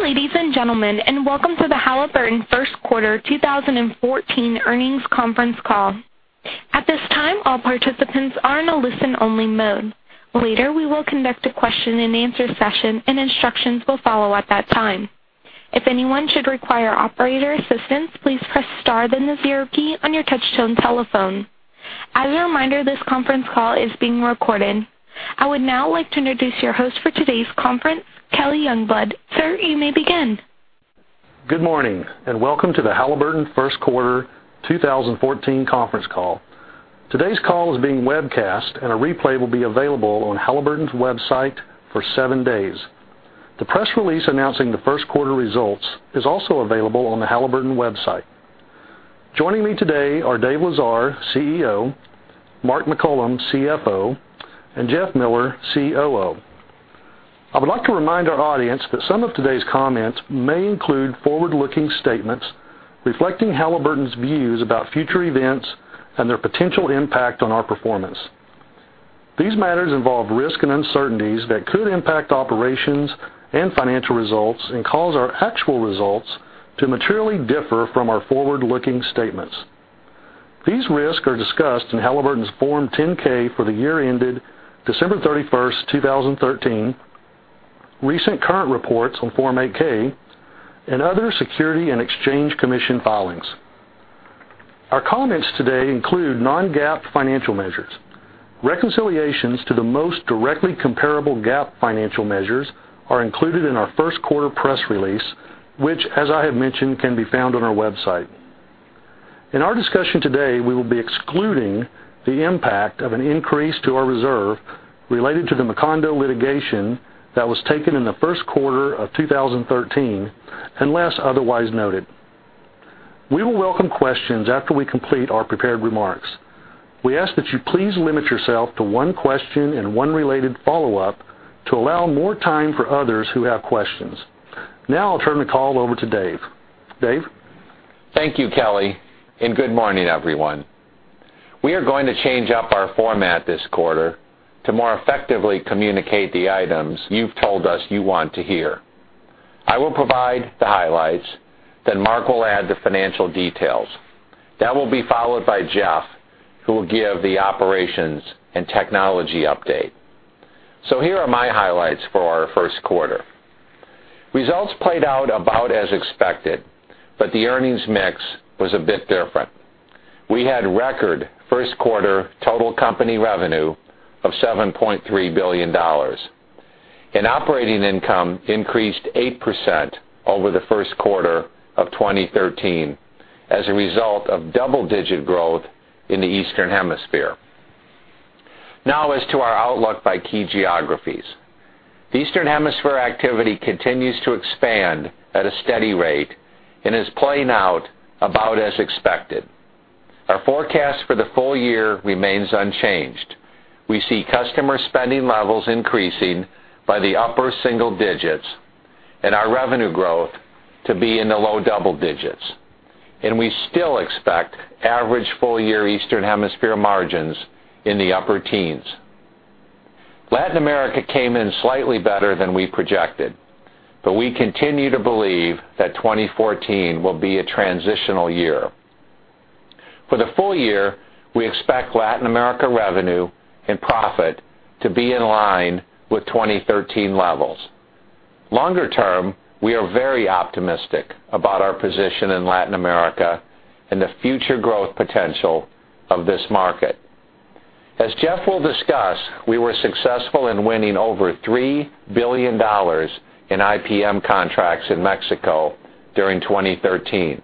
Good day, ladies and gentlemen, and welcome to the Halliburton first quarter 2014 earnings conference call. At this time, all participants are in a listen-only mode. Later, we will conduct a question-and-answer session, and instructions will follow at that time. If anyone should require operator assistance, please press star then the zero key on your touchtone telephone. As a reminder, this conference call is being recorded. I would now like to introduce your host for today's conference, Kelly Youngblood. Sir, you may begin. Good morning, and welcome to the Halliburton first quarter 2014 conference call. Today's call is being webcast, and a replay will be available on Halliburton's website for seven days. The press release announcing the first quarter results is also available on the Halliburton website. Joining me today are Dave Lesar, CEO, Mark McCollum, CFO, and Jeff Miller, COO. I would like to remind our audience that some of today's comments may include forward-looking statements reflecting Halliburton's views about future events and their potential impact on our performance. These matters involve risks and uncertainties that could impact operations and financial results and cause our actual results to materially differ from our forward-looking statements. These risks are discussed in Halliburton's Form 10-K for the year ended December 31st, 2013, recent current reports on Form 8-K, and other Securities and Exchange Commission filings. Our comments today include non-GAAP financial measures. Reconciliations to the most directly comparable GAAP financial measures are included in our first quarter press release, which, as I have mentioned, can be found on our website. In our discussion today, we will be excluding the impact of an increase to our reserve related to the Macondo litigation that was taken in the first quarter of 2013, unless otherwise noted. We will welcome questions after we complete our prepared remarks. We ask that you please limit yourself to one question and one related follow-up to allow more time for others who have questions. I'll turn the call over to Dave. Dave? Thank you, Kelly, and good morning, everyone. We are going to change up our format this quarter to more effectively communicate the items you've told us you want to hear. I will provide the highlights, then Mark will add the financial details. That will be followed by Jeff, who will give the operations and technology update. Here are my highlights for our first quarter. Results played out about as expected, but the earnings mix was a bit different. We had record first quarter total company revenue of $7.3 billion. Operating income increased 8% over the first quarter of 2013 as a result of double-digit growth in the Eastern Hemisphere. As to our outlook by key geographies. Eastern Hemisphere activity continues to expand at a steady rate and is playing out about as expected. Our forecast for the full year remains unchanged. We see customer spending levels increasing by the upper single digits. Our revenue growth to be in the low double digits. We still expect average full-year Eastern Hemisphere margins in the upper teens. Latin America came in slightly better than we projected. We continue to believe that 2014 will be a transitional year. For the full year, we expect Latin America revenue and profit to be in line with 2013 levels. Longer term, we are very optimistic about our position in Latin America and the future growth potential of this market. As Jeff will discuss, we were successful in winning over $3 billion in IPM contracts in Mexico during 2013.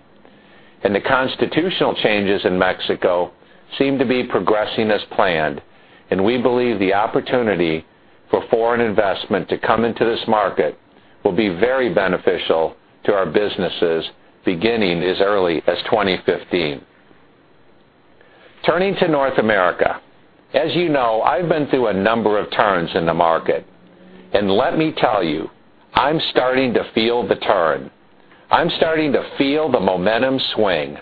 The constitutional changes in Mexico seem to be progressing as planned, and we believe the opportunity for foreign investment to come into this market will be very beneficial to our businesses beginning as early as 2015. Turning to North America. As you know, I've been through a number of turns in the market. Let me tell you, I'm starting to feel the turn. I'm starting to feel the momentum swing.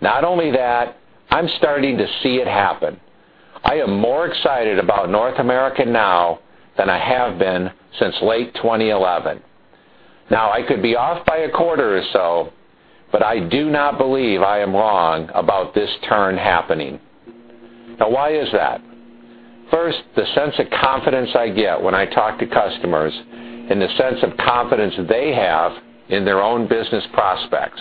Not only that, I'm starting to see it happen. I am more excited about North America now than I have been since late 2011. I could be off by a quarter or so, but I do not believe I am wrong about this turn happening. Why is that? First, the sense of confidence I get when I talk to customers and the sense of confidence they have in their own business prospects.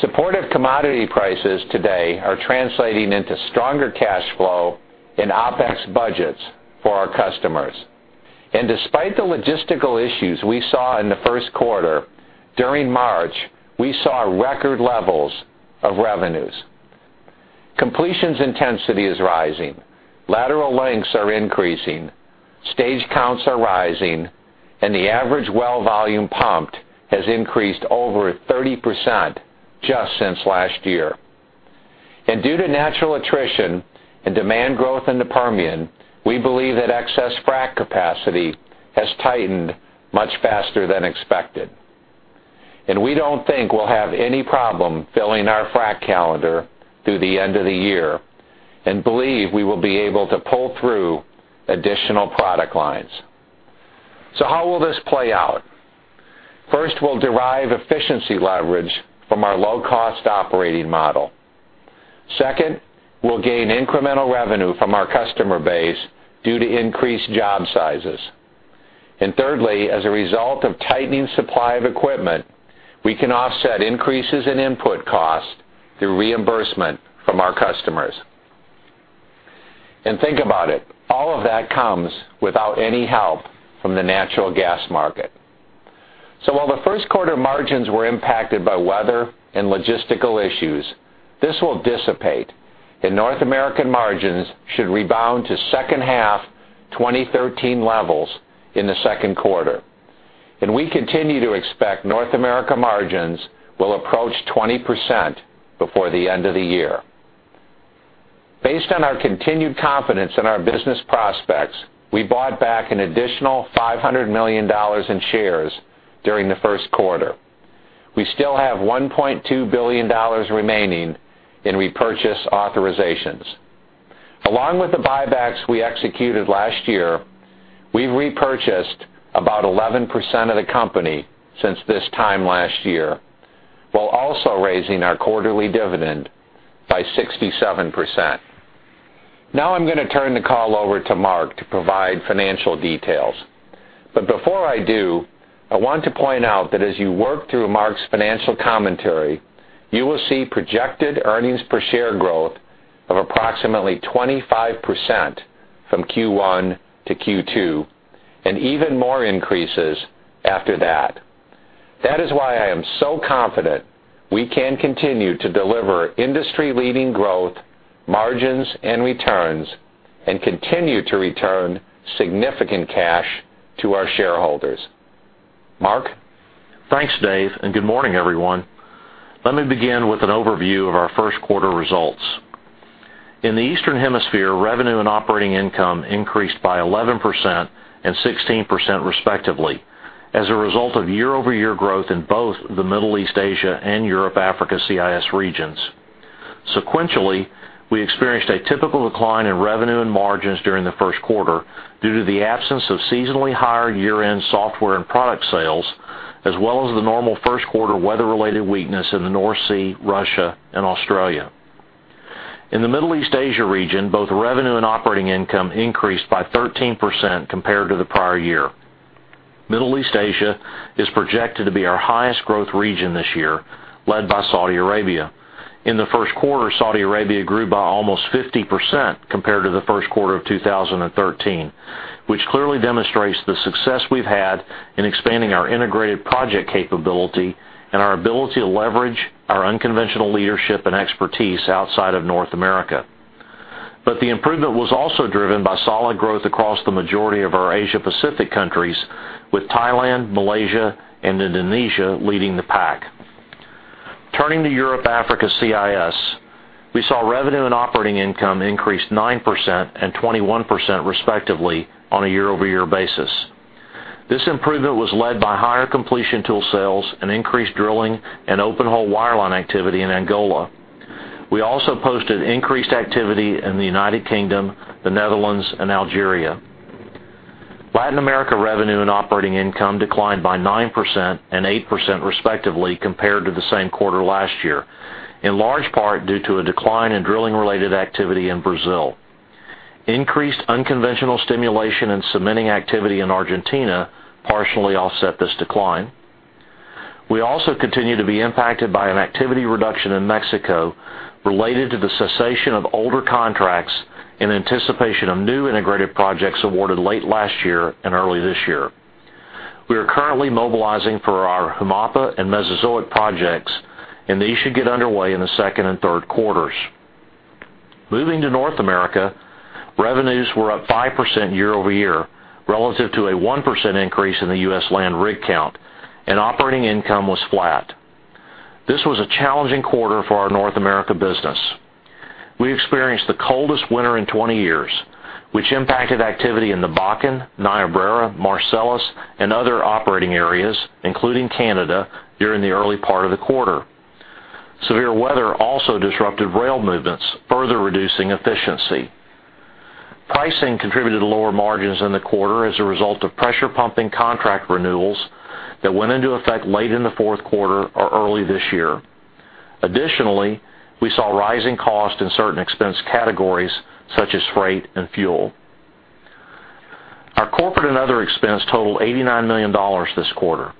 Supportive commodity prices today are translating into stronger cash flow and OpEx budgets for our customers. Despite the logistical issues we saw in the first quarter, during March, we saw record levels of revenues. Completions intensity is rising. Lateral lengths are increasing. Stage counts are rising. The average well volume pumped has increased over 30% just since last year. Due to natural attrition and demand growth in the Permian, we believe that excess frac capacity has tightened much faster than expected. We don't think we'll have any problem filling our frac calendar through the end of the year and believe we will be able to pull through additional product lines. How will this play out? First, we'll derive efficiency leverage from our low-cost operating model. Second, we'll gain incremental revenue from our customer base due to increased job sizes. Thirdly, as a result of tightening supply of equipment, we can offset increases in input costs through reimbursement from our customers. Think about it, all of that comes without any help from the natural gas market. While the first quarter margins were impacted by weather and logistical issues, this will dissipate, and North American margins should rebound to second half 2013 levels in the second quarter. We continue to expect North America margins will approach 20% before the end of the year. Based on our continued confidence in our business prospects, we bought back an additional $500 million in shares during the first quarter. We still have $1.2 billion remaining in repurchase authorizations. Along with the buybacks we executed last year, we've repurchased about 11% of the company since this time last year, while also raising our quarterly dividend by 67%. I'm going to turn the call over to Mark to provide financial details. Before I do, I want to point out that as you work through Mark's financial commentary, you will see projected earnings per share growth of approximately 25% from Q1 to Q2, and even more increases after that. That is why I am so confident we can continue to deliver industry-leading growth, margins, and returns and continue to return significant cash to our shareholders. Mark? Thanks, Dave. Good morning, everyone. Let me begin with an overview of our first quarter results. In the Eastern Hemisphere, revenue and operating income increased by 11% and 16%, respectively, as a result of year-over-year growth in both the Middle East Asia and Europe Africa CIS regions. Sequentially, we experienced a typical decline in revenue and margins during the first quarter due to the absence of seasonally higher year-end software and product sales, as well as the normal first quarter weather-related weakness in the North Sea, Russia, and Australia. In the Middle East Asia region, both revenue and operating income increased by 13% compared to the prior year. Middle East Asia is projected to be our highest growth region this year, led by Saudi Arabia. In the first quarter, Saudi Arabia grew by almost 50% compared to the first quarter of 2013, which clearly demonstrates the success we've had in expanding our integrated project capability and our ability to leverage our unconventional leadership and expertise outside of North America. The improvement was also driven by solid growth across the majority of our Asia Pacific countries, with Thailand, Malaysia, and Indonesia leading the pack. Turning to Europe Africa CIS, we saw revenue and operating income increase 9% and 21%, respectively, on a year-over-year basis. This improvement was led by higher completion tool sales and increased drilling and open-hole wireline activity in Angola. We also posted increased activity in the United Kingdom, the Netherlands, and Algeria. Latin America revenue and operating income declined by 9% and 8%, respectively, compared to the same quarter last year, in large part due to a decline in drilling-related activity in Brazil. Increased unconventional stimulation and cementing activity in Argentina partially offset this decline. We also continue to be impacted by an activity reduction in Mexico related to the cessation of older contracts in anticipation of new integrated projects awarded late last year and early this year. We are currently mobilizing for our Humapa and Mesozoic projects, and these should get underway in the second and third quarters. Moving to North America, revenues were up 5% year-over-year relative to a 1% increase in the U.S. land rig count, and operating income was flat. This was a challenging quarter for our North America business. We experienced the coldest winter in 20 years, which impacted activity in the Bakken, Niobrara, Marcellus, and other operating areas, including Canada, during the early part of the quarter. Severe weather also disrupted rail movements, further reducing efficiency. Pricing contributed to lower margins in the quarter as a result of pressure pumping contract renewals that went into effect late in the fourth quarter or early this year. Additionally, we saw rising costs in certain expense categories, such as freight and fuel. Our corporate and other expense totaled $89 million this quarter.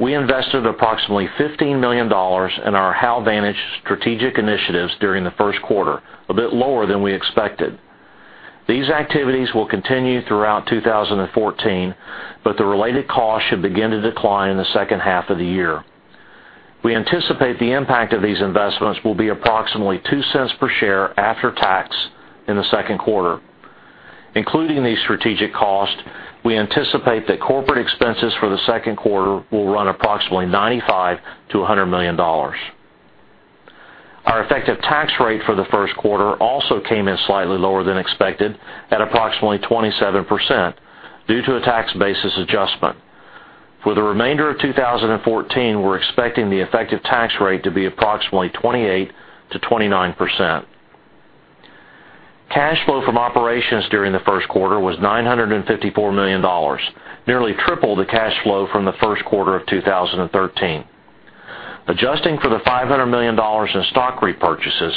We invested approximately $15 million in our HalVantage strategic initiatives during the first quarter, a bit lower than we expected. These activities will continue throughout 2014, but the related costs should begin to decline in the second half of the year. We anticipate the impact of these investments will be approximately $0.02 per share after tax in the second quarter. Including these strategic costs, we anticipate that corporate expenses for the second quarter will run approximately $95 million-$100 million. Our effective tax rate for the first quarter also came in slightly lower than expected at approximately 27%, due to a tax basis adjustment. For the remainder of 2014, we're expecting the effective tax rate to be approximately 28%-29%. Cash flow from operations during the first quarter was $954 million, nearly triple the cash flow from the first quarter of 2013. Adjusting for the $500 million in stock repurchases,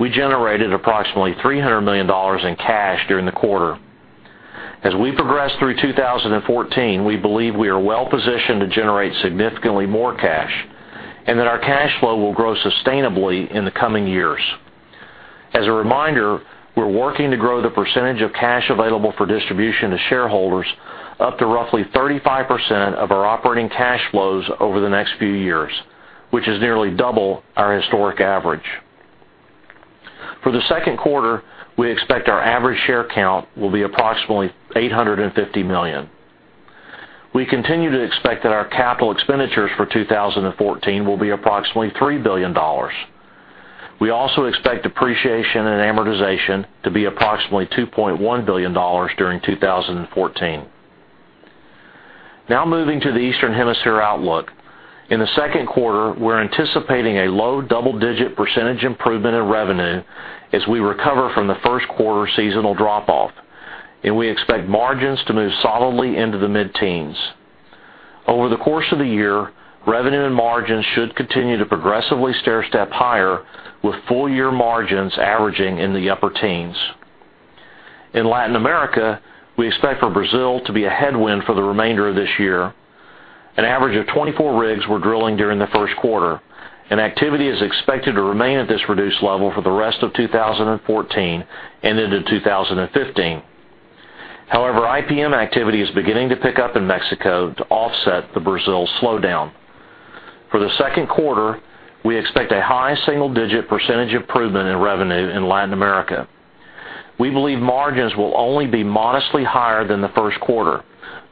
we generated approximately $300 million in cash during the quarter. As we progress through 2014, we believe we are well positioned to generate significantly more cash, and that our cash flow will grow sustainably in the coming years. As a reminder, we're working to grow the percentage of cash available for distribution to shareholders up to roughly 35% of our operating cash flows over the next few years, which is nearly double our historic average. For the second quarter, we expect our average share count will be approximately 850 million. We continue to expect that our capital expenditures for 2014 will be approximately $3 billion. We also expect depreciation and amortization to be approximately $2.1 billion during 2014. Moving to the Eastern Hemisphere outlook. In the second quarter, we're anticipating a low double-digit percentage improvement in revenue as we recover from the first quarter seasonal drop-off, and we expect margins to move solidly into the mid-teens. Over the course of the year, revenue and margins should continue to progressively stairstep higher with full year margins averaging in the upper teens. In Latin America, we expect for Brazil to be a headwind for the remainder of this year. An average of 24 rigs were drilling during the first quarter, and activity is expected to remain at this reduced level for the rest of 2014 and into 2015. IPM activity is beginning to pick up in Mexico to offset the Brazil slowdown. For the second quarter, we expect a high single-digit percentage improvement in revenue in Latin America. We believe margins will only be modestly higher than the first quarter,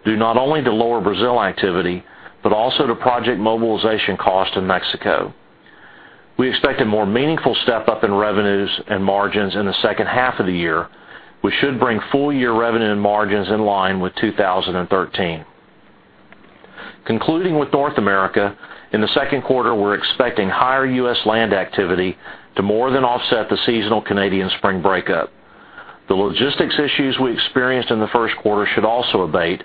due not only to lower Brazil activity, but also to project mobilization costs in Mexico. We expect a more meaningful step-up in revenues and margins in the second half of the year, which should bring full-year revenue and margins in line with 2013. Concluding with North America, in the second quarter, we're expecting higher U.S. land activity to more than offset the seasonal Canadian spring breakup. The logistics issues we experienced in the first quarter should also abate,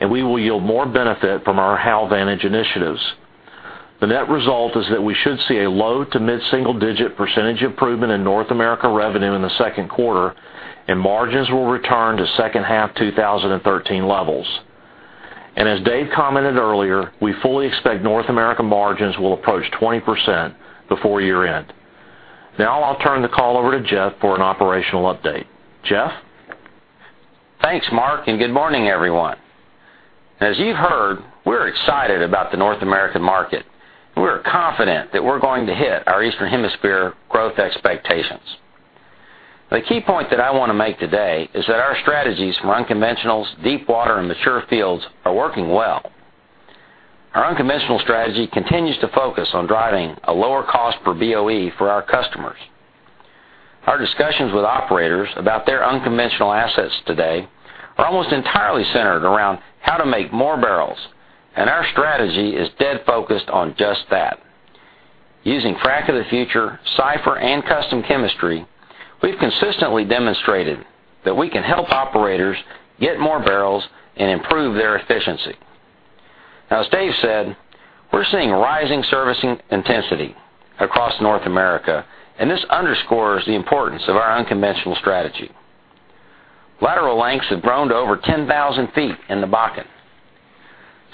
and we will yield more benefit from our HalVantage initiatives. The net result is that we should see a low to mid-single digit percentage improvement in North America revenue in the second quarter, and margins will return to second half 2013 levels. As Dave commented earlier, we fully expect North America margins will approach 20% before year-end. I'll turn the call over to Jeff for an operational update. Jeff? Thanks, Mark, good morning, everyone. As you've heard, we're excited about the North American market. We're confident that we're going to hit our Eastern Hemisphere growth expectations. The key point that I want to make today is that our strategies for unconventionals, deepwater, and mature fields are working well. Our unconventional strategy continues to focus on driving a lower cost per BOE for our customers. Our discussions with operators about their unconventional assets today are almost entirely centered around how to make more barrels, and our strategy is dead focused on just that. Using Frac of the Future, CYPHER, and custom chemistry, we've consistently demonstrated that we can help operators get more barrels and improve their efficiency. As Dave said, we're seeing rising servicing intensity across North America, and this underscores the importance of our unconventional strategy. Lateral lengths have grown to over 10,000 feet in the Bakken.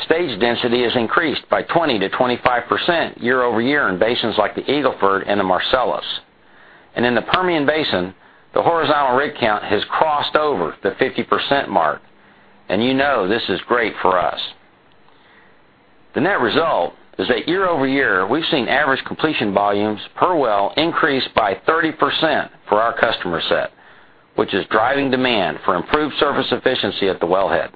Stage density has increased by 20%-25% year-over-year in basins like the Eagle Ford and the Marcellus. In the Permian Basin, the horizontal rig count has crossed over the 50% mark, and you know this is great for us. The net result is that year-over-year, we've seen average completion volumes per well increase by 30% for our customer set, which is driving demand for improved surface efficiency at the wellhead.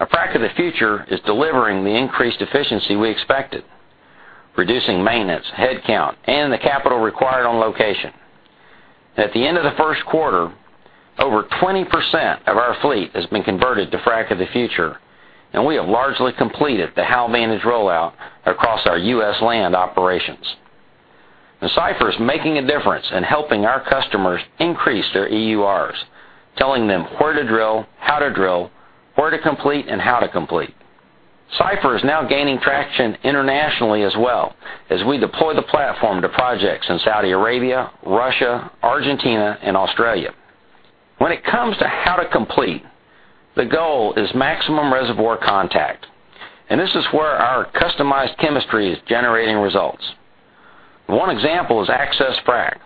Our Frac of the Future is delivering the increased efficiency we expected, reducing maintenance, headcount, and the capital required on location. At the end of the first quarter, over 20% of our fleet has been converted to Frac of the Future, and we have largely completed the HalVantage rollout across our U.S. land operations. The CYPHER is making a difference in helping our customers increase their EURs, telling them where to drill, how to drill, where to complete, and how to complete. CYPHER is now gaining traction internationally as well as we deploy the platform to projects in Saudi Arabia, Russia, Argentina, and Australia. When it comes to how to complete, the goal is maximum reservoir contact, and this is where our customized chemistry is generating results. One example is AccessFrac.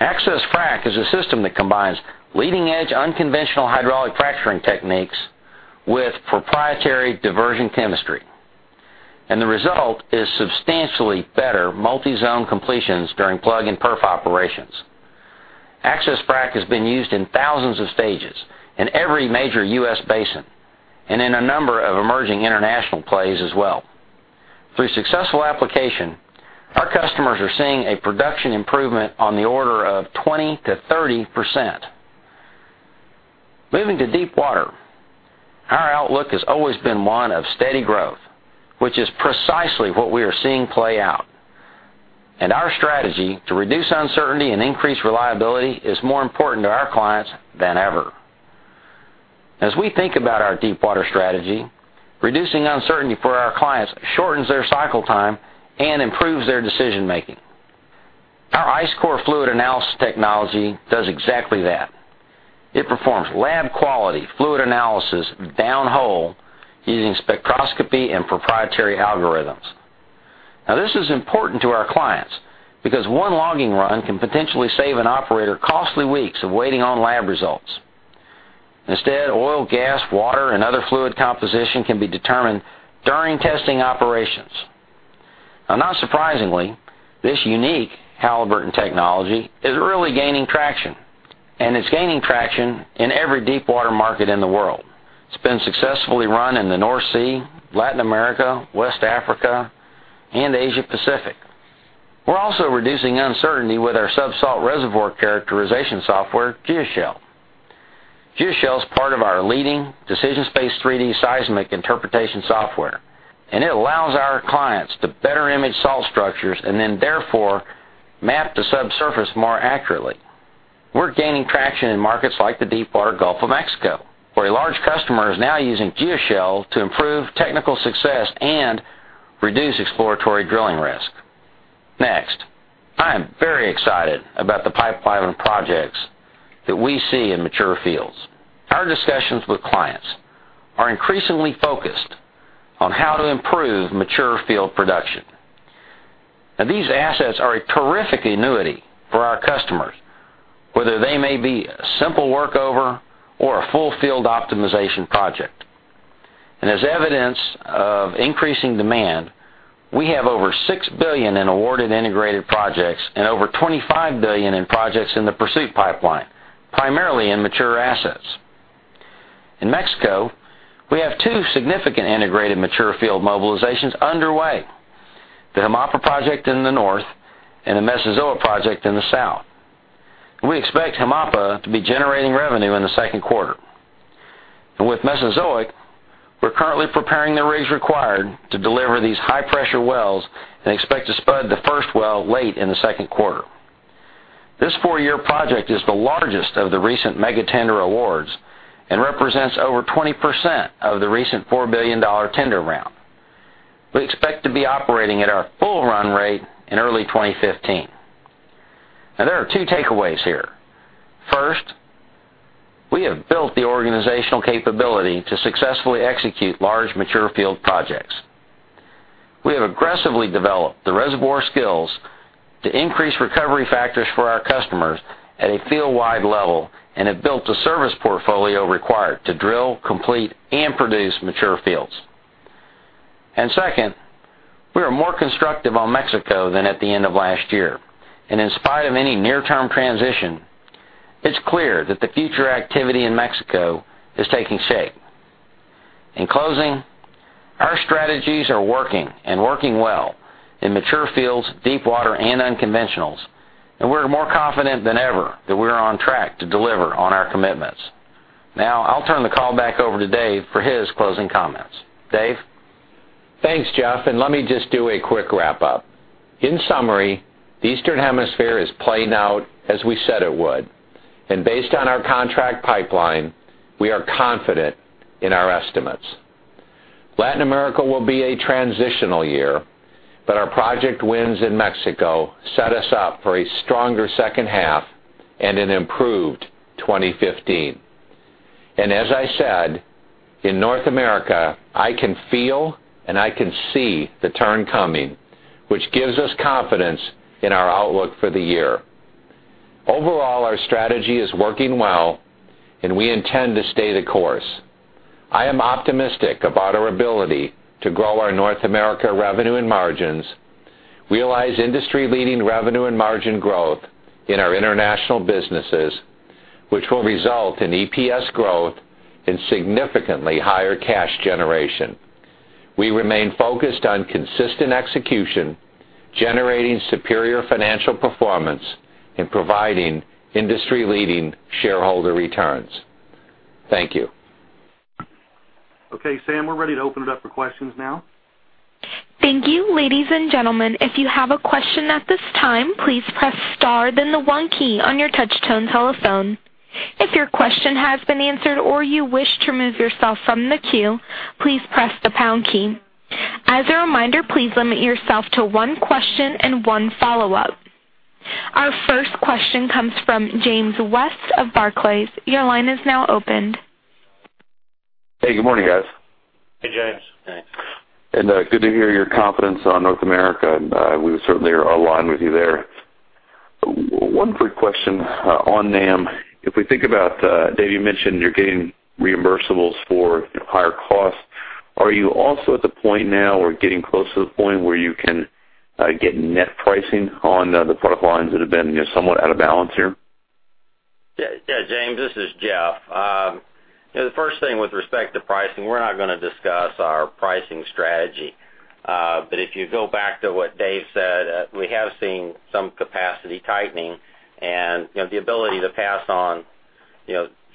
AccessFrac is a system that combines leading-edge unconventional hydraulic fracturing techniques with proprietary diversion chemistry, and the result is substantially better multi-zone completions during plug and perf operations. AccessFrac has been used in thousands of stages in every major U.S. basin and in a number of emerging international plays as well. Through successful application, our customers are seeing a production improvement on the order of 20%-30%. Moving to deepwater, our outlook has always been one of steady growth, which is precisely what we are seeing play out. Our strategy to reduce uncertainty and increase reliability is more important to our clients than ever. As we think about our deepwater strategy, reducing uncertainty for our clients shortens their cycle time and improves their decision-making. Our ICE Core fluid analysis technology does exactly that. It performs lab-quality fluid analysis downhole using spectroscopy and proprietary algorithms. This is important to our clients because one logging run can potentially save an operator costly weeks of waiting on lab results. Instead, oil, gas, water, and other fluid composition can be determined during testing operations. Not surprisingly, this unique Halliburton technology is really gaining traction, and it's gaining traction in every deepwater market in the world. It's been successfully run in the North Sea, Latin America, West Africa, and Asia Pacific. We're also reducing uncertainty with our sub-salt reservoir characterization software, GeoShell. GeoShell is part of our leading DecisionSpace 3D seismic interpretation software, and it allows our clients to better image salt structures and therefore map the subsurface more accurately. We're gaining traction in markets like the deepwater Gulf of Mexico, where a large customer is now using GeoShell to improve technical success and reduce exploratory drilling risk. I am very excited about the pipeline projects that we see in mature fields. Our discussions with clients are increasingly focused on how to improve mature field production. These assets are a terrific annuity for our customers, whether they may be a simple workover or a full field optimization project. As evidence of increasing demand, we have over $6 billion in awarded integrated projects and over $25 billion in projects in the pursuit pipeline, primarily in mature assets. In Mexico, we have two significant integrated mature field mobilizations underway, the JMAPA project in the north and the Mesozoic project in the south. We expect JMAPA to be generating revenue in the second quarter. With Mesozoic, we're currently preparing the rigs required to deliver these high-pressure wells and expect to spud the first well late in the second quarter. This 4-year project is the largest of the recent mega tender awards and represents over 20% of the recent $4 billion tender round. We expect to be operating at our full run rate in early 2015. There are two takeaways here. First, we have built the organizational capability to successfully execute large mature field projects. We have aggressively developed the reservoir skills to increase recovery factors for our customers at a fieldwide level and have built the service portfolio required to drill, complete, and produce mature fields. Second, we are more constructive on Mexico than at the end of last year. In spite of any near-term transition, it's clear that the future activity in Mexico is taking shape. In closing, our strategies are working and working well in mature fields, deepwater, and unconventionals, and we're more confident than ever that we're on track to deliver on our commitments. I'll turn the call back over to Dave for his closing comments. Dave? Thanks, Jeff, let me just do a quick wrap-up. In summary, the Eastern Hemisphere is playing out as we said it would. Based on our contract pipeline, we are confident in our estimates. Latin America will be a transitional year, our project wins in Mexico set us up for a stronger second half and an improved 2015. As I said, in North America, I can feel and I can see the turn coming, which gives us confidence in our outlook for the year. Overall, our strategy is working well, and we intend to stay the course. I am optimistic about our ability to grow our North America revenue and margins, realize industry-leading revenue and margin growth in our international businesses, which will result in EPS growth and significantly higher cash generation. We remain focused on consistent execution, generating superior financial performance, and providing industry-leading shareholder returns. Thank you. Okay, Sam, we're ready to open it up for questions now. Thank you, ladies and gentlemen. If you have a question at this time, please press star then the one key on your touchtone telephone. If your question has been answered or you wish to remove yourself from the queue, please press the pound key. As a reminder, please limit yourself to one question and one follow-up. Our first question comes from James West of Barclays. Your line is now opened. Hey, good morning, guys. Hey, James. Good to hear your confidence on North America. We certainly are aligned with you there. One quick question on NAM. If we think about, Dave, you mentioned you're getting reimbursables for higher costs Are you also at the point now or getting close to the point where you can get net pricing on the product lines that have been somewhat out of balance here? Yeah, James, this is Jeff. The first thing with respect to pricing, we're not going to discuss our pricing strategy. If you go back to what Dave said, we have seen some capacity tightening and the ability to pass on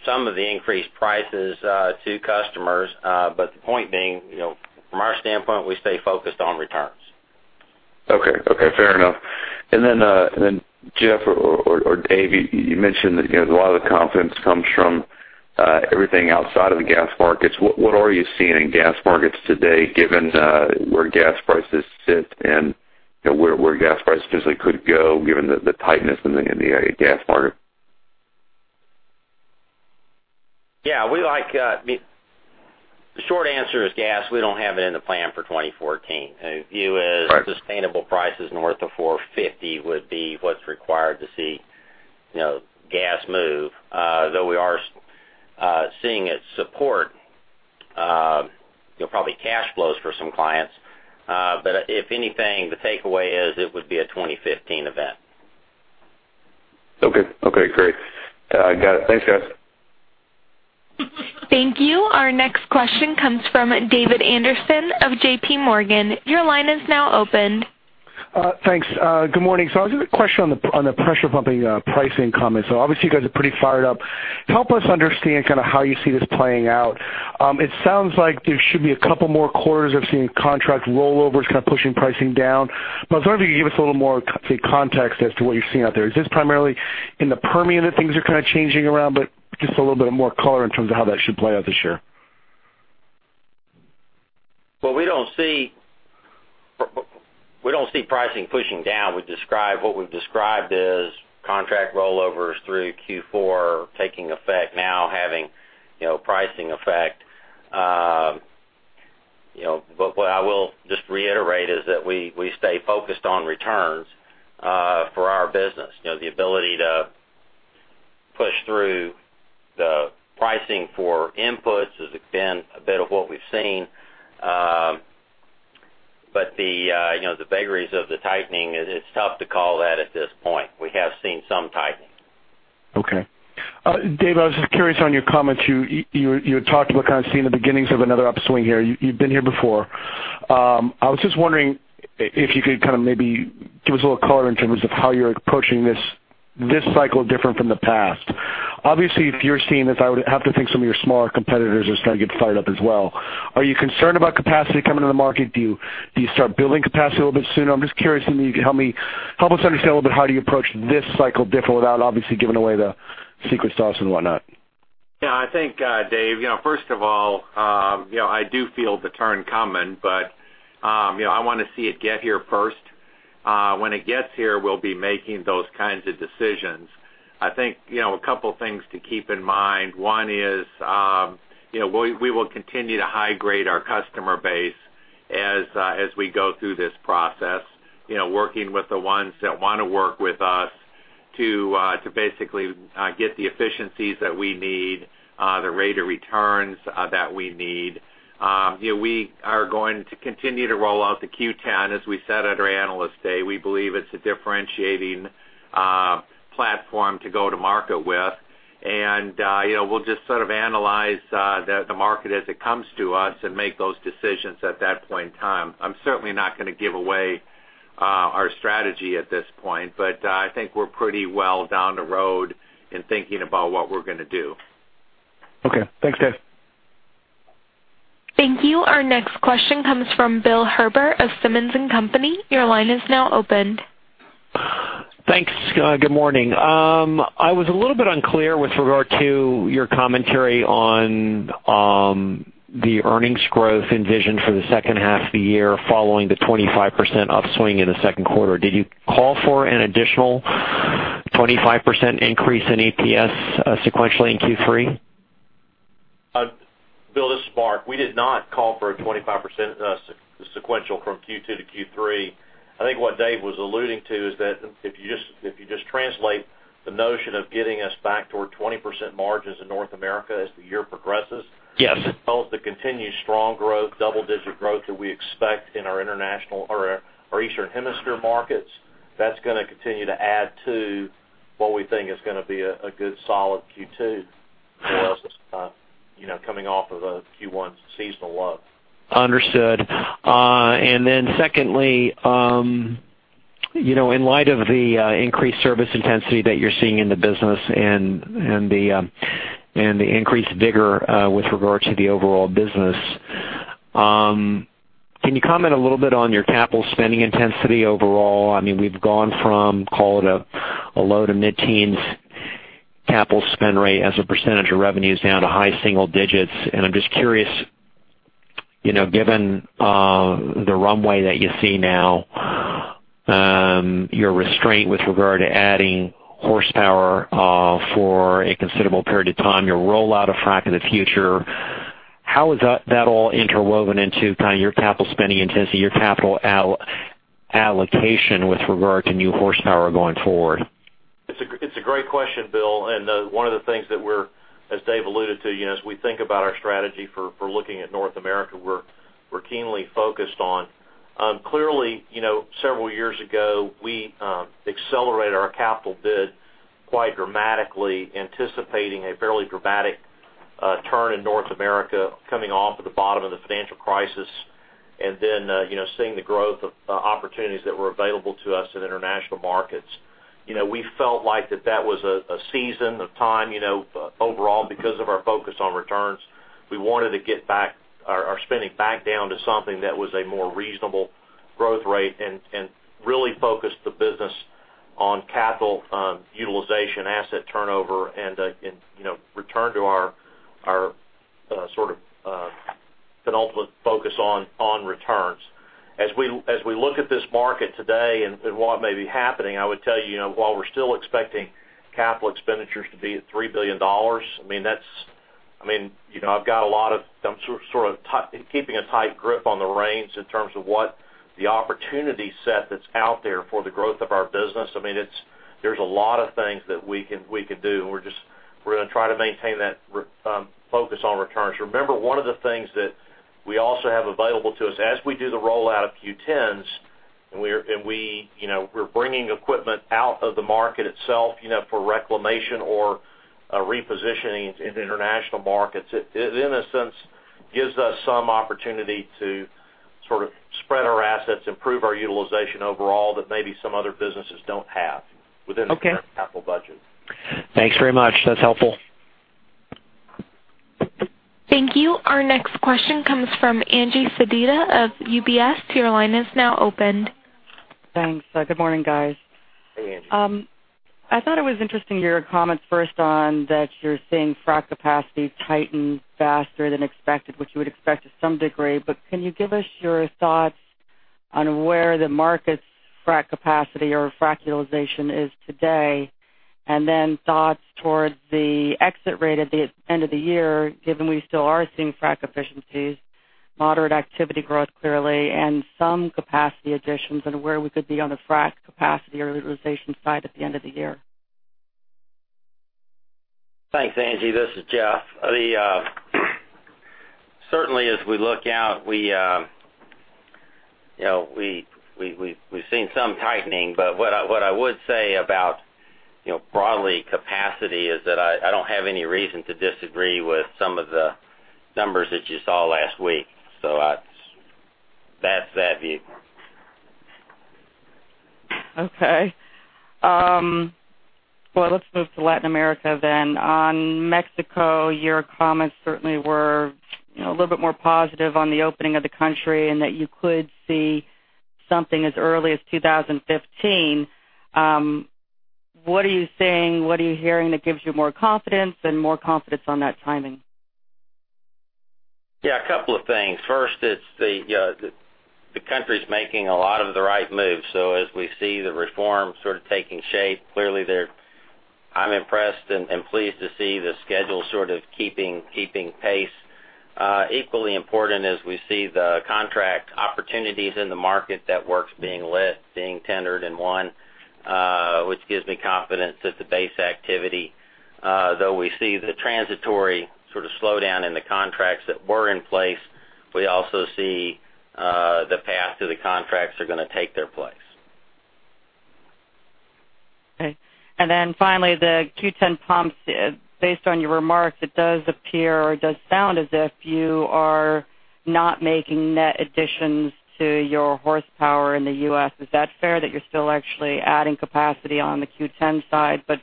some of the increased prices to customers. The point being, from our standpoint, we stay focused on returns. Okay. Fair enough. Then Jeff or Dave, you mentioned that a lot of the confidence comes from everything outside of the gas markets. What are you seeing in gas markets today, given where gas prices sit and where gas prices could go given the tightness in the gas market? Yeah. The short answer is gas, we don't have it in the plan for 2014. Our view is- Right sustainable prices north of $450 would be what's required to see gas move. Though we are seeing it support probably cash flows for some clients. If anything, the takeaway is it would be a 2015 event. Okay. Great. Got it. Thanks, guys. Thank you. Our next question comes from David Anderson of J.P. Morgan. Your line is now opened. Thanks. Good morning. I just have a question on the pressure pumping pricing comments. Obviously you guys are pretty fired up. Help us understand kind of how you see this playing out. It sounds like there should be a couple more quarters of seeing contract rollovers kind of pushing pricing down. I was wondering if you could give us a little more, say, context as to what you're seeing out there. Is this primarily in the Permian that things are kind of changing around, but just a little bit more color in terms of how that should play out this year. We don't see pricing pushing down. What we've described is contract rollovers through Q4 taking effect now, having pricing effect. What I will just reiterate is that we stay focused on returns for our business. The ability to push through the pricing for inputs has been a bit of what we've seen. The vagaries of the tightening, it's tough to call that at this point. We have seen some tightening. Okay. Dave, I was just curious on your comments. You had talked about kind of seeing the beginnings of another upswing here. You've been here before. I was just wondering if you could kind of maybe give us a little color in terms of how you're approaching this cycle different from the past. Obviously, if you're seeing this, I would have to think some of your smaller competitors are starting to get fired up as well. Are you concerned about capacity coming to the market? Do you start building capacity a little bit sooner? I'm just curious if you could help us understand a little bit how do you approach this cycle different without obviously giving away the secret sauce and whatnot. Yeah, I think, Dave, first of all I do feel the turn coming. I want to see it get here first. When it gets here, we'll be making those kinds of decisions. I think a couple of things to keep in mind. One is we will continue to high grade our customer base as we go through this process. Working with the ones that want to work with us to basically get the efficiencies that we need, the rate of returns that we need. We are going to continue to roll out the Q10, as we said at our Analyst Day. We believe it's a differentiating platform to go to market with. We'll just sort of analyze the market as it comes to us and make those decisions at that point in time. I'm certainly not going to give away our strategy at this point. I think we're pretty well down the road in thinking about what we're going to do. Okay. Thanks, Dave. Thank you. Our next question comes from Bill Herbert of Simmons & Company. Your line is now opened. Thanks. Good morning. I was a little bit unclear with regard to your commentary on the earnings growth envisioned for the second half of the year following the 25% upswing in the second quarter. Did you call for an additional 25% increase in EPS sequentially in Q3? Bill, this is Mark. We did not call for a 25% sequential from Q2 to Q3. I think what Dave was alluding to is that if you just translate the notion of getting us back toward 20% margins in North America as the year progresses. Yes. As well as the continued strong growth, double-digit growth that we expect in our international or Eastern Hemisphere markets, that's going to continue to add to what we think is going to be a good solid Q2 for us coming off of a Q1 seasonal low. Understood. Secondly, in light of the increased service intensity that you're seeing in the business and the increased vigor with regard to the overall business, can you comment a little bit on your capital spending intensity overall? We've gone from, call it a low-to-mid teens capital spend rate as a percentage of revenues down to high single digits. I'm just curious, given the runway that you see now, your restraint with regard to adding horsepower for a considerable period of time, your rollout of Frac of the Future, how is that all interwoven into kind of your capital spending intensity, your capital allocation with regard to new horsepower going forward? It's a great question, Bill, one of the things that we're, as Dave alluded to, as we think about our strategy for looking at North America, we're keenly focused on. Clearly, several years ago, we accelerated our capital bid quite dramatically, anticipating a fairly dramatic turn in North America, coming off of the bottom of the financial crisis, seeing the growth of opportunities that were available to us in international markets. We felt like that that was a season of time, overall, because of our focus on returns. We wanted to get our spending back down to something that was a more reasonable growth rate and really focus the business on capital utilization, asset turnover, and return to our penultimate focus on returns. As we look at this market today what may be happening, I would tell you, while we're still expecting capital expenditures to be at $3 billion, I'm sort of keeping a tight grip on the reins in terms of what the opportunity set that's out there for the growth of our business. There's a lot of things that we can do, we're going to try to maintain that focus on returns. Remember, one of the things that we also have available to us as we do the rollout of Q10s, we're bringing equipment out of the market itself for reclamation or repositioning into international markets. It, in a sense, gives us some opportunity to spread our assets, improve our utilization overall that maybe some other businesses don't have within their capital budget. Okay. Thanks very much. That's helpful. Thank you. Our next question comes from Angie Sedita of UBS. Your line is now open. Thanks. Good morning, guys. Hey, Angie. I thought it was interesting, your comments first on that you're seeing frac capacity tighten faster than expected, which you would expect to some degree. Can you give us your thoughts on where the market's frac capacity or frac utilization is today, and then thoughts towards the exit rate at the end of the year, given we still are seeing frac efficiencies, moderate activity growth clearly, and some capacity additions, and where we could be on the frac capacity or utilization side at the end of the year? Thanks, Angie. This is Jeff. Certainly, as we look out, we've seen some tightening, but what I would say about broadly capacity is that I don't have any reason to disagree with some of the numbers that you saw last week. That's that view. Let's move to Latin America. On Mexico, your comments certainly were a little bit more positive on the opening of the country and that you could see something as early as 2015. What are you seeing? What are you hearing that gives you more confidence and more confidence on that timing? A couple of things. First, it's the country's making a lot of the right moves. As we see the reform sort of taking shape, clearly, I'm impressed and pleased to see the schedule sort of keeping pace. Equally important as we see the contract opportunities in the market, that work's being lit, being tendered and won, which gives me confidence that the base activity, though we see the transitory sort of slowdown in the contracts that were in place, we also see the path to the contracts are going to take their place. Finally, the Q10 pumps. Based on your remarks, it does appear or it does sound as if you are not making net additions to your horsepower in the U.S. Is that fair, that you're still actually adding capacity on the Q10 side, but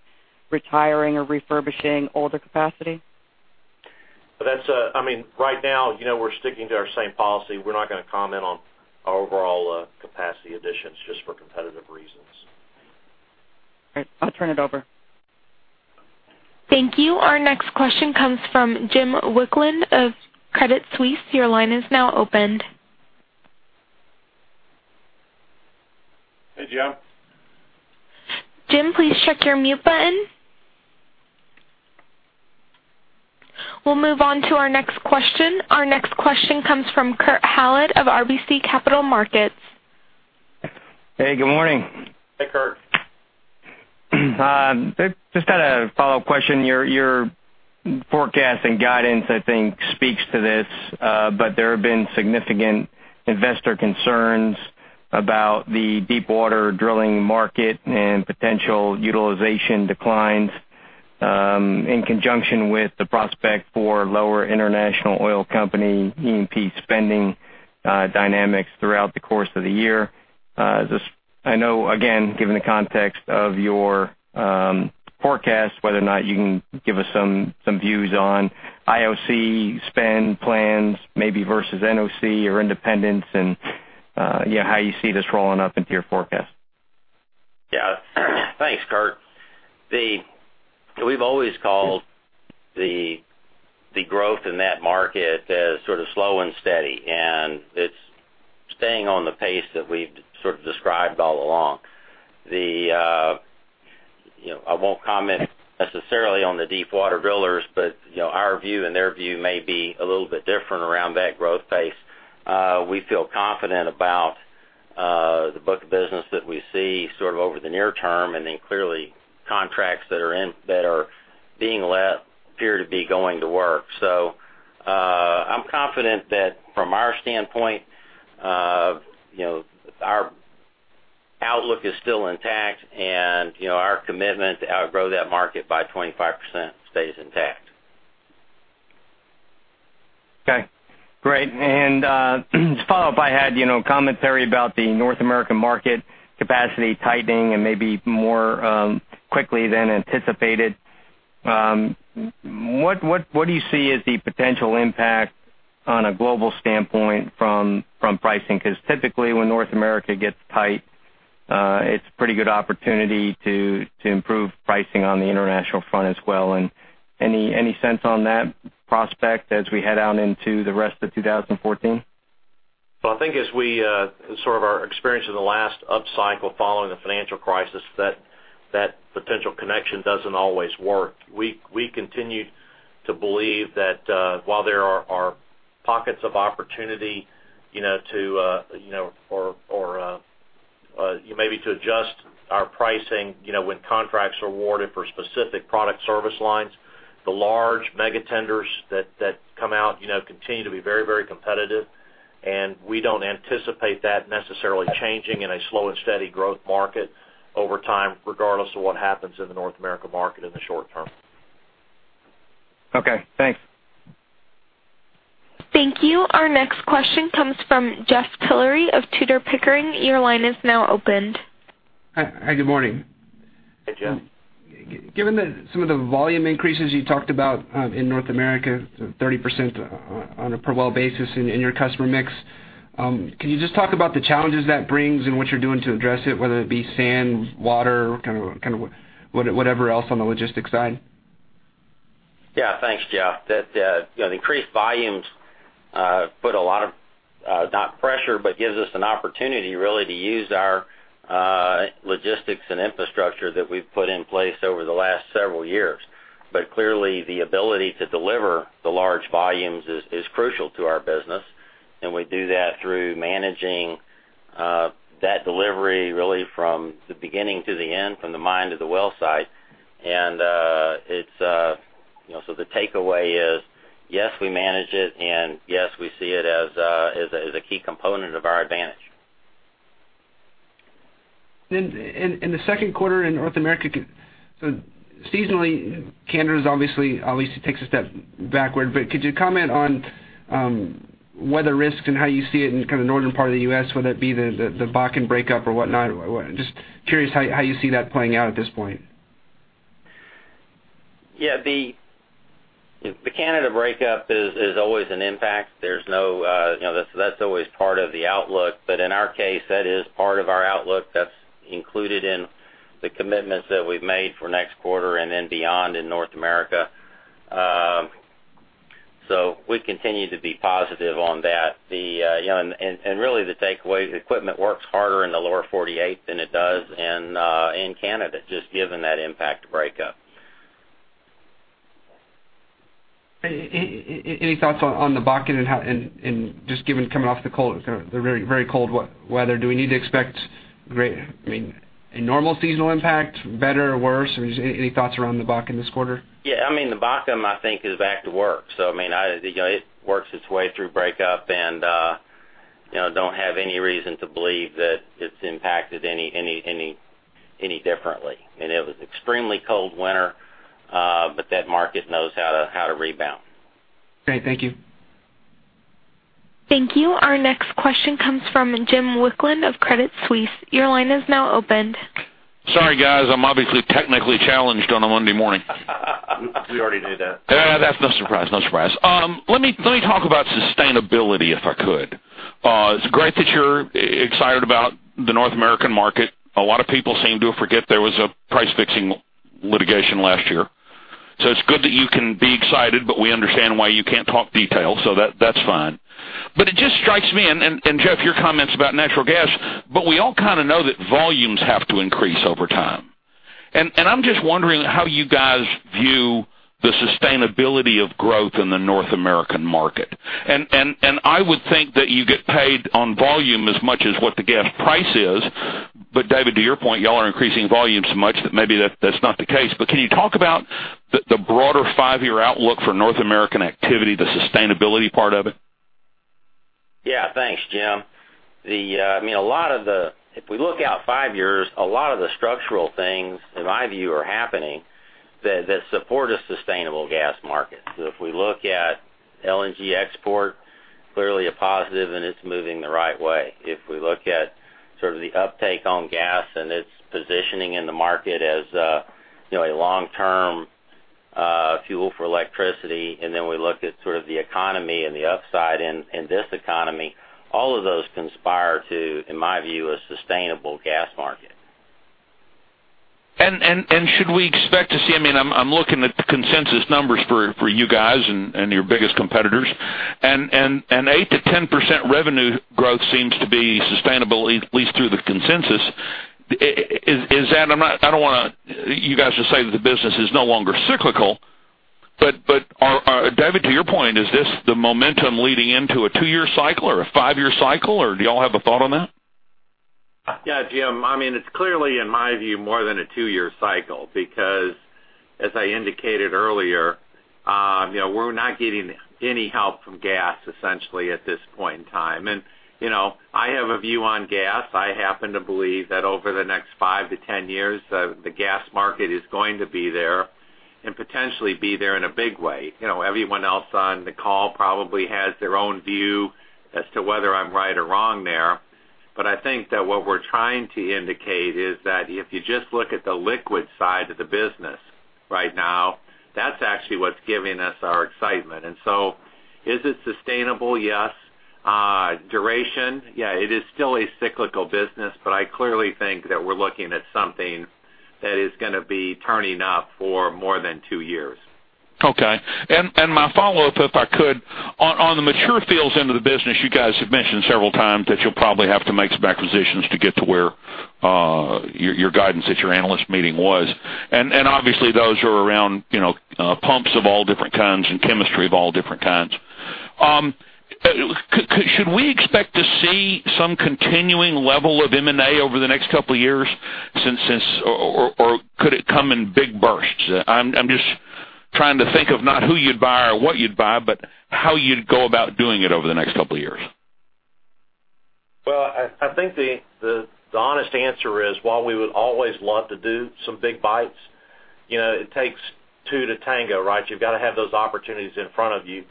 retiring or refurbishing older capacity? Right now, we're sticking to our same policy. We're not going to comment on our overall capacity additions just for competitive reasons. All right. I'll turn it over. Thank you. Our next question comes from Jim Wicklund of Credit Suisse. Your line is now open. Hey, Jim. Jim, please check your mute button. We'll move on to our next question. Our next question comes from Kurt Hallead of RBC Capital Markets. Hey, good morning. Hey, Kurt. Just had a follow-up question. Your forecast and guidance, I think, speaks to this, but there have been significant investor concerns about the deepwater drilling market and potential utilization declines, in conjunction with the prospect for lower international oil company E&P spending dynamics throughout the course of the year. I know, again, given the context of your forecast, whether or not you can give us some views on IOC spend plans maybe versus NOC or independents, and how you see this rolling up into your forecast. Thanks, Kurt. We've always called the growth in that market as sort of slow and steady, it's staying on the pace that we've sort of described all along. I won't comment necessarily on the deepwater drillers, our view and their view may be a little bit different around that growth pace. We feel confident about the book of business that we see over the near term, clearly contracts that are being let appear to be going to work. I'm confident that from our standpoint our outlook is still intact and our commitment to outgrow that market by 25% stays intact. Okay, great. Just follow up, I had commentary about the North American market capacity tightening and maybe more quickly than anticipated. What do you see as the potential impact on a global standpoint from pricing? Typically when North America gets tight, it's pretty good opportunity to improve pricing on the international front as well. Any sense on that prospect as we head out into the rest of 2014? I think as we sort of our experience in the last up cycle following the financial crisis, that potential connection doesn't always work. We continue to believe that, while there are pockets of opportunity maybe to adjust our pricing when contracts are awarded for specific product service lines, the large mega tenders that come out continue to be very competitive. We don't anticipate that necessarily changing in a slow and steady growth market over time, regardless of what happens in the North America market in the short term. Okay, thanks. Thank you. Our next question comes from Jeff Tillery of Tudor, Pickering. Your line is now opened. Hi, good morning. Hey, Jeff. Given that some of the volume increases you talked about in North America, 30% on a per well basis in your customer mix, can you just talk about the challenges that brings and what you're doing to address it, whether it be sand, water, kind of whatever else on the logistics side? Yeah. Thanks, Jeff. The increased volumes, put a lot of, not pressure, but gives us an opportunity really to use our logistics and infrastructure that we've put in place over the last several years. Clearly the ability to deliver the large volumes is crucial to our business, and we do that through managing that delivery really from the beginning to the end, from the mine to the well site. The takeaway is, yes, we manage it, and yes, we see it as a key component of our advantage. In the second quarter in North America, seasonally, Canada is obviously at least takes a step backward, but could you comment on weather risks and how you see it in kind of northern part of the U.S., whether it be the Bakken breakup or whatnot? Just curious how you see that playing out at this point. Yeah. The Canada breakup is always an impact. That's always part of the outlook, but in our case, that is part of our outlook that's included in the commitments that we've made for next quarter and then beyond in North America. We continue to be positive on that. Really the takeaway, the equipment works harder in the lower 48 than it does in Canada, just given that impact breakup. Any thoughts on the Bakken and just given coming off the very cold weather, do we need to expect a normal seasonal impact, better or worse, or just any thoughts around the Bakken this quarter? Yeah. I mean, the Bakken, I think is back to work, it works its way through breakup and don't have any reason to believe that it's impacted any differently. It was extremely cold winter, that market knows how to rebound. Great. Thank you. Thank you. Our next question comes from Jim Wicklund of Credit Suisse. Your line is now open. Sorry guys, I'm obviously technically challenged on a Monday morning. We already knew that. That's no surprise. Let me talk about sustainability, if I could. It's great that you're excited about the North American market. A lot of people seem to forget there was a price-fixing litigation last year. It's good that you can be excited, but we understand why you can't talk details, so that's fine. It just strikes me and, Jeff, your comments about natural gas, but we all kind of know that volumes have to increase over time. I'm just wondering how you guys view the sustainability of growth in the North American market. I would think that you get paid on volume as much as what the gas price is. David, to your point, you all are increasing volumes so much that maybe that's not the case. Can you talk about the broader five-year outlook for North American activity, the sustainability part of it? Yeah. Thanks, Jim. If we look out five years, a lot of the structural things, in my view, are happening that support a sustainable gas market. If we look at LNG export, clearly a positive and it's moving the right way. If we look at sort of the uptake on gas and its positioning in the market as a long-term fuel for electricity, we look at sort of the economy and the upside in this economy, all of those conspire to, in my view, a sustainable gas market. Should we expect to see? I'm looking at the consensus numbers for you guys and your biggest competitors, and 8%-10% revenue growth seems to be sustainable, at least through the consensus. You guys just say that the business is no longer cyclical. David, to your point, is this the momentum leading into a two-year cycle or a five-year cycle? Do y'all have a thought on that? Yeah, Jim, it's clearly, in my view, more than a two-year cycle because, as I indicated earlier, we're not getting any help from gas essentially at this point in time. I have a view on gas. I happen to believe that over the next 5 to 10 years, the gas market is going to be there and potentially be there in a big way. Everyone else on the call probably has their own view as to whether I'm right or wrong there. I think that what we're trying to indicate is that if you just look at the liquid side of the business right now, that's actually what's giving us our excitement. Is it sustainable? Yes. Duration? Yeah, it is still a cyclical business, I clearly think that we're looking at something that is going to be turning up for more than two years. Okay. My follow-up, if I could. On the mature fields end of the business, you guys have mentioned several times that you'll probably have to make some acquisitions to get to where your guidance at your analyst meeting was. Obviously those are around pumps of all different kinds and chemistry of all different kinds. Should we expect to see some continuing level of M&A over the next couple of years, or could it come in big bursts? I'm just trying to think of not who you'd buy or what you'd buy, but how you'd go about doing it over the next couple of years. Well, I think the honest answer is, while we would always love to do some big bites, it takes two to tango, right? You've got to have those opportunities in front of you.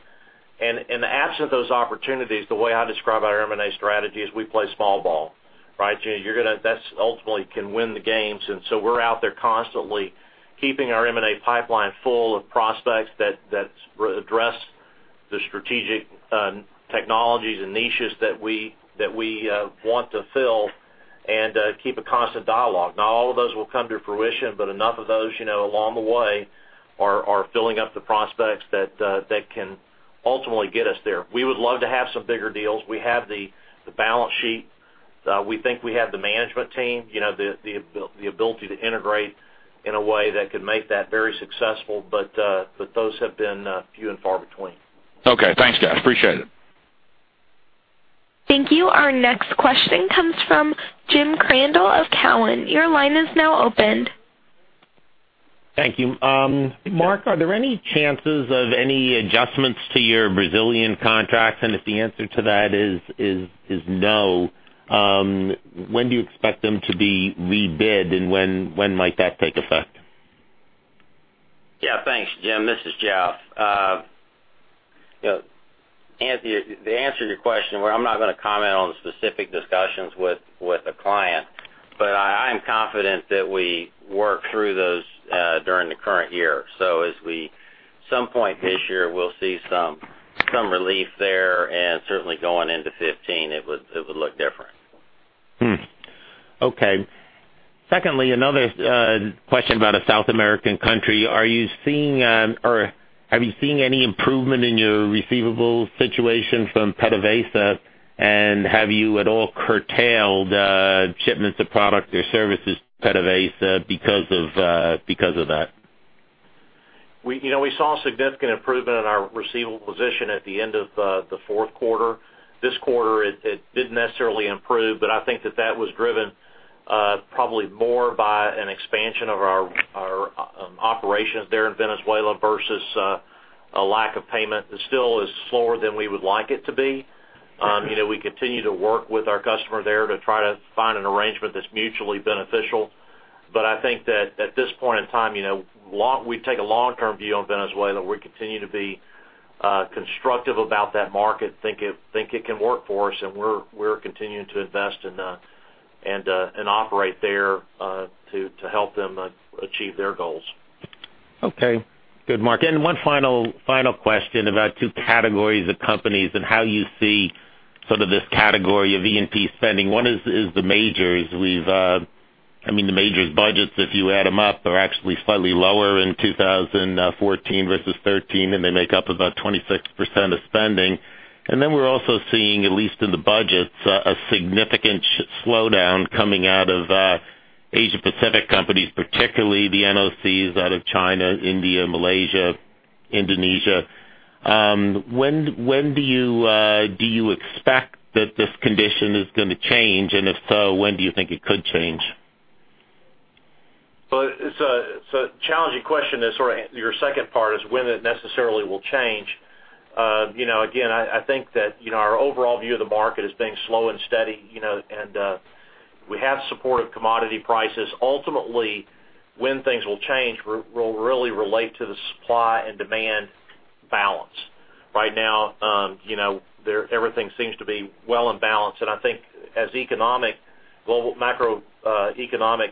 In the absence of those opportunities, the way I describe our M&A strategy is we play small ball, right? That ultimately can win the games. We're out there constantly keeping our M&A pipeline full of prospects that address the strategic technologies and niches that we want to fill and keep a constant dialogue. Not all of those will come to fruition, but enough of those along the way are filling up the prospects that can ultimately get us there. We would love to have some bigger deals. We have the balance sheet. We think we have the management team, the ability to integrate in a way that could make that very successful. Those have been few and far between. Okay. Thanks, guys. Appreciate it. Thank you. Our next question comes from Jim Crandall of Cowen. Your line is now opened. Thank you. Mark, are there any chances of any adjustments to your Brazilian contracts? If the answer to that is no, when do you expect them to be rebid, and when might that take effect? Thanks, Jim. This is Jeff. To answer your question, I'm not going to comment on specific discussions with a client, but I am confident that we work through those during the current year. At some point this year, we'll see some relief there, and certainly going into 2015, it would look different. Secondly, another question about a South American country. Have you seen any improvement in your receivables situation from PDVSA? Have you at all curtailed shipments of product or services to PDVSA because of that? We saw a significant improvement in our receivable position at the end of the fourth quarter. This quarter, it didn't necessarily improve, but I think that that was driven probably more by an expansion of our operations there in Venezuela versus a lack of payment that still is slower than we would like it to be. We continue to work with our customer there to try to find an arrangement that's mutually beneficial. I think that at this point in time, we take a long-term view on Venezuela. We continue to be constructive about that market, think it can work for us, and we're continuing to invest and operate there, to help them achieve their goals. Good, Mark. One final question about two categories of companies and how you see this category of E&P spending. One is the majors. The majors' budgets, if you add them up, are actually slightly lower in 2014 versus 2013, and they make up about 26% of spending. We're also seeing, at least in the budgets, a significant slowdown coming out of Asia-Pacific companies, particularly the NOCs out of China, India, Malaysia, Indonesia. When do you expect that this condition is going to change? If so, when do you think it could change? It's a challenging question, your second part, is when it necessarily will change. I think that our overall view of the market as being slow and steady, and we have supportive commodity prices. Ultimately, when things will change will really relate to the supply and demand balance. Right now everything seems to be well in balance, and I think as macroeconomic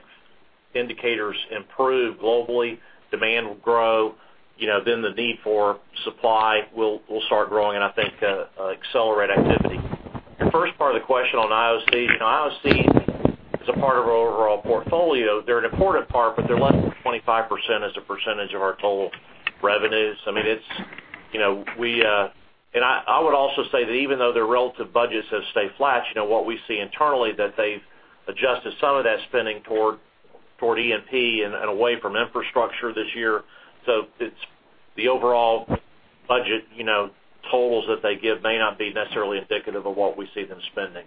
indicators improve globally, demand will grow. The need for supply will start growing and I think accelerate activity. Your first part of the question on IOC. IOC is a part of our overall portfolio. They're an important part, but they're less than 25% as a percentage of our total revenues. I would also say that even though their relative budgets have stayed flat, what we see internally that they've adjusted some of that spending toward E&P and away from infrastructure this year. The overall budget, totals that they give may not be necessarily indicative of what we see them spending.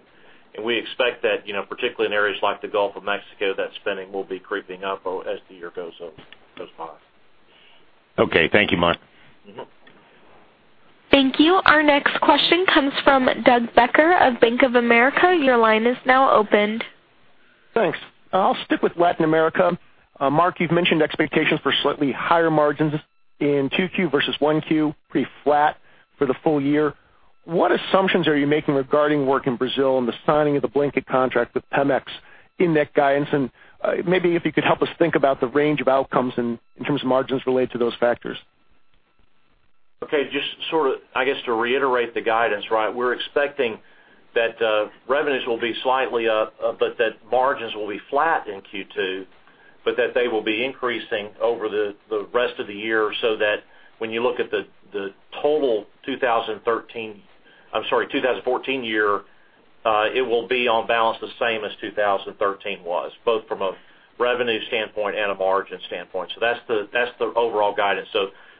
We expect that, particularly in areas like the Gulf of Mexico, that spending will be creeping up as the year goes by. Thank you, Mark. Thank you. Our next question comes from Doug Becker of Bank of America. Your line is now opened. Thanks. I'll stick with Latin America. Mark, you've mentioned expectations for slightly higher margins in 2Q versus 1Q, pretty flat for the full year. What assumptions are you making regarding work in Brazil and the signing of the blanket contract with Pemex in that guidance? Maybe if you could help us think about the range of outcomes in terms of margins related to those factors. Okay. Just sort of, I guess, to reiterate the guidance, right? We're expecting that revenues will be slightly up, but that margins will be flat in Q2, but that they will be increasing over the rest of the year, so that when you look at the total 2013-- I'm sorry, 2014 year, it will be on balance the same as 2013 was, both from a revenue standpoint and a margin standpoint. That's the overall guidance.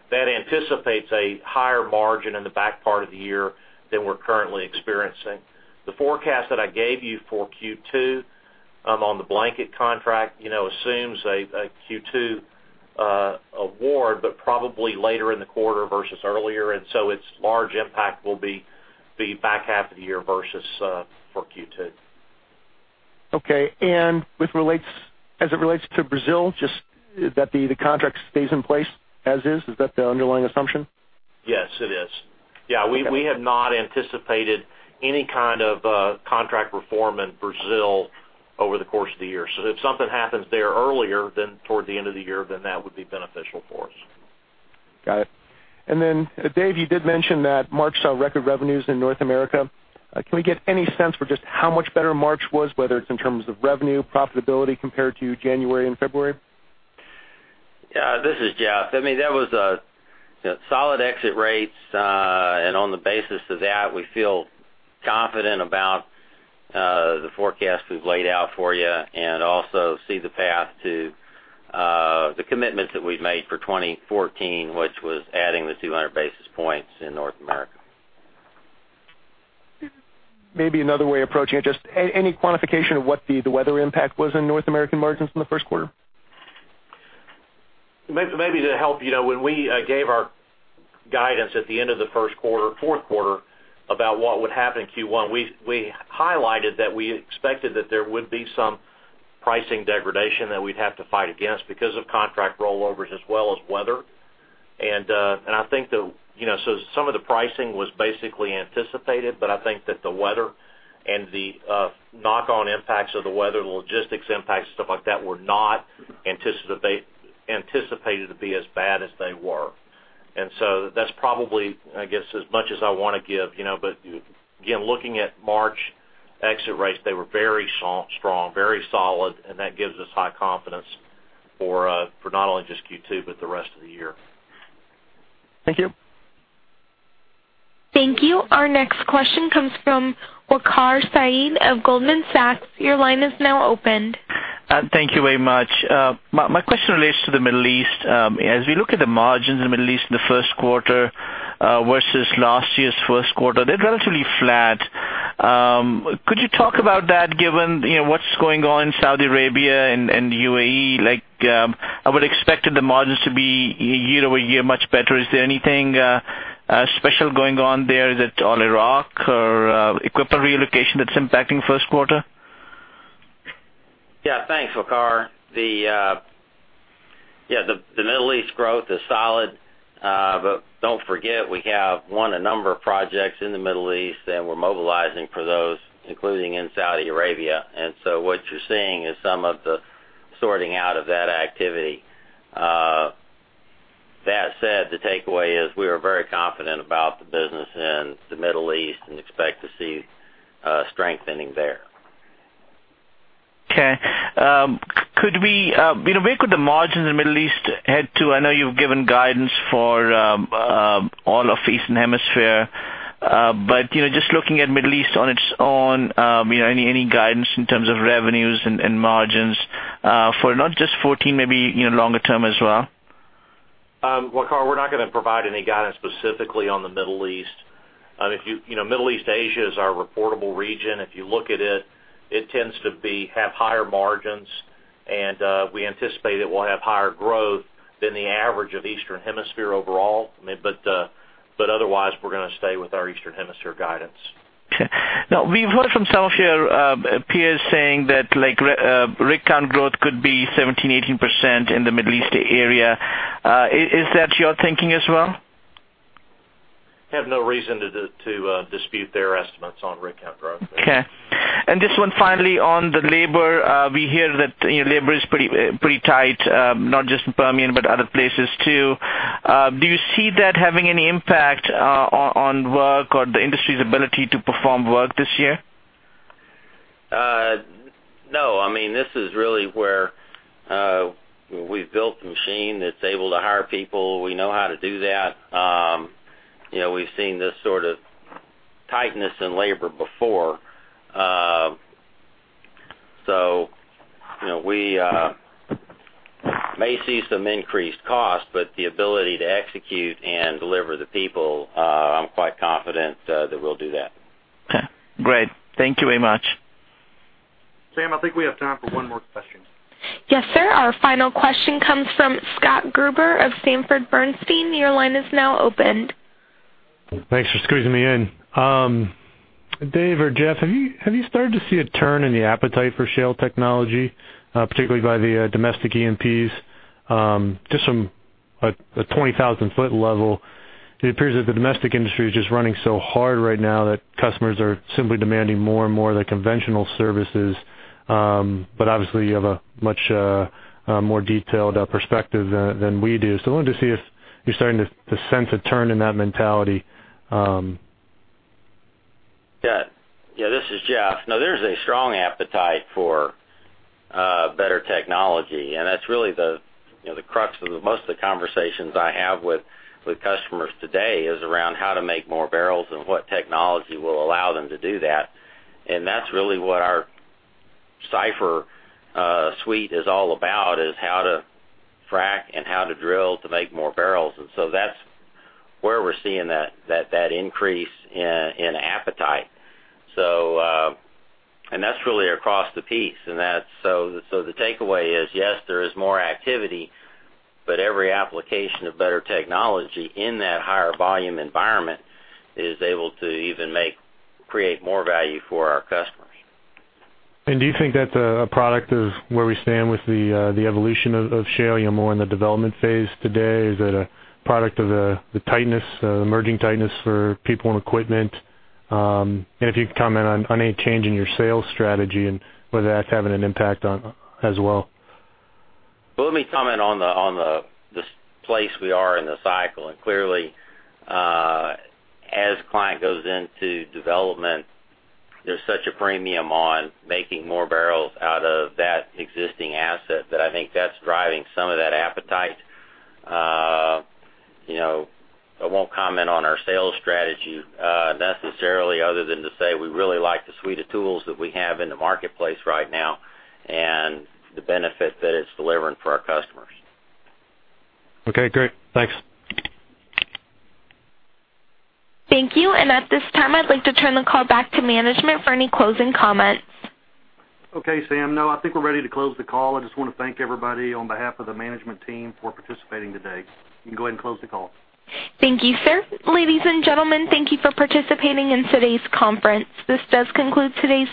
That anticipates a higher margin in the back part of the year than we're currently experiencing. The forecast that I gave you for Q2 on the blanket contract assumes a Q2 award, but probably later in the quarter versus earlier. Its large impact will be the back half of the year versus for Q2. Okay. As it relates to Brazil, just that the contract stays in place as is. Is that the underlying assumption? Yes, it is. Yeah. Okay. We have not anticipated any kind of contract reform in Brazil over the course of the year. If something happens there earlier than toward the end of the year, that would be beneficial for us. Got it. Dave, you did mention that March saw record revenues in North America. Can we get any sense for just how much better March was, whether it's in terms of revenue, profitability compared to January and February? Yeah. This is Jeff. I mean, that was solid exit rates. On the basis of that, we feel confident about the forecast we've laid out for you and also see the path to the commitments that we've made for 2014, which was adding the 200 basis points in North America. Maybe another way of approaching it, just any quantification of what the weather impact was in North American margins in the first quarter? Maybe to help, when we gave our guidance at the end of the fourth quarter, about what would happen in Q1, we highlighted that we expected that there would be some pricing degradation that we'd have to fight against because of contract rollovers as well as weather. Some of the pricing was basically anticipated, but I think that the weather and the knock-on impacts of the weather, the logistics impacts, stuff like that, were not anticipated to be as bad as they were. That's probably, I guess, as much as I want to give. Again, looking at March exit rates, they were very strong, very solid, and that gives us high confidence for not only just Q2, but the rest of the year. Thank you. Thank you. Our next question comes from Waqar Syed of Goldman Sachs. Your line is now open. Thank you very much. My question relates to the Middle East. As we look at the margins in the Middle East in the first quarter versus last year's first quarter, they're relatively flat. Could you talk about that given what's going on in Saudi Arabia and UAE? I would expected the margins to be year-over-year much better. Is there anything special going on there? Is it on Iraq or equipment relocation that's impacting first quarter? Yeah. Thanks, Waqar. The Middle East growth is solid. Don't forget we have won a number of projects in the Middle East, and we're mobilizing for those, including in Saudi Arabia. What you're seeing is some of the sorting out of that activity. That said, the takeaway is we are very confident about the business in the Middle East and expect to see strengthening there. Okay. Where could the margins in the Middle East head to? I know you've given guidance for all of Eastern Hemisphere. Just looking at Middle East on its own, any guidance in terms of revenues and margins for not just 2014, maybe longer term as well? Waqar, we're not going to provide any guidance specifically on the Middle East. Middle East, Asia is our reportable region. If you look at it tends to have higher margins, and we anticipate it will have higher growth than the average of Eastern Hemisphere overall. Otherwise, we're going to stay with our Eastern Hemisphere guidance. Okay. Now we've heard from some of your peers saying that rig count growth could be 17%-18% in the Middle East area. Is that your thinking as well? Have no reason to dispute their estimates on rig count growth there. Okay. Just one finally on the labor. We hear that labor is pretty tight, not just in Permian, but other places too. Do you see that having any impact on work or the industry's ability to perform work this year? No, this is really where we've built the machine that's able to hire people. We know how to do that. We've seen this sort of tightness in labor before. We may see some increased cost, but the ability to execute and deliver the people, I'm quite confident that we'll do that. Okay, great. Thank you very much. Sam, I think we have time for one more question. Yes, sir. Our final question comes from Scott C. Gruber of Sanford C. Bernstein. Your line is now open. Thanks for squeezing me in. Dave or Jeff, have you started to see a turn in the appetite for shale technology, particularly by the domestic E&Ps? Just from a 20,000-foot level, it appears that the domestic industry is just running so hard right now that customers are simply demanding more and more of the conventional services. Obviously, you have a much more detailed perspective than we do. I wanted to see if you're starting to sense a turn in that mentality. Yeah, this is Jeff. No, there's a strong appetite for better technology. That's really the crux of most of the conversations I have with customers today is around how to make more barrels and what technology will allow them to do that. That's really what our CYPHER suite is all about, is how to frack and how to drill to make more barrels. That's where we're seeing that increase in appetite. That's really across the piece. The takeaway is, yes, there is more activity, but every application of better technology in that higher volume environment is able to even create more value for our customers. Do you think that's a product of where we stand with the evolution of shale, more in the development phase today? Is it a product of the emerging tightness for people and equipment? If you could comment on any change in your sales strategy and whether that's having an impact as well. Well, let me comment on this place we are in the cycle. Clearly, as client goes into development, there's such a premium on making more barrels out of that existing asset that I think that's driving some of that appetite. I won't comment on our sales strategy necessarily other than to say we really like the suite of tools that we have in the marketplace right now and the benefit that it's delivering for our customers. Okay, great. Thanks. Thank you. At this time, I'd like to turn the call back to management for any closing comments. Okay, Sam. No, I think we're ready to close the call. I just want to thank everybody on behalf of the management team for participating today. You can go ahead and close the call. Thank you, sir. Ladies and gentlemen, thank you for participating in today's conference. This does conclude today's